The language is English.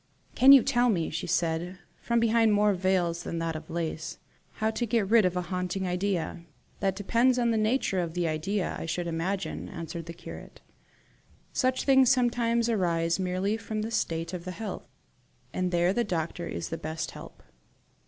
"Can you tell me," she said, from behind more veils than that of lace, "how to get rid of a haunting idea?" "That depends on the nature of the idea, I should imagine," answered the curate. "Such things sometimes arise merely from the state of the health, and there the doctor is the best help."